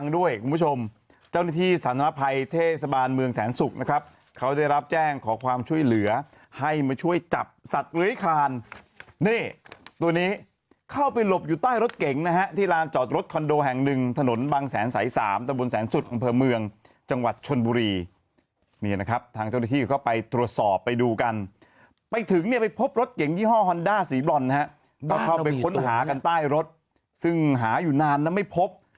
ด้วยคุณผู้ชมเจ้าหน้าที่สรรพัยเทศบาลเมืองแสนศุกร์นะครับเขาได้รับแจ้งขอความช่วยเหลือให้มาช่วยจับสัตว์เหลือขาวนี่ตัวนี้เข้าไปหลบอยู่ใต้รถเก๋งนะฮะที่ลานจอดรถคอนโดแห่งหนึ่งถนนบังแสนสายสามตะบุญแสนสุดของเผลอเมืองจังหวัดชนบุรีนี่นะครับทางเจ้าหน้าที่เข้าไปตรวจสอบไปดูก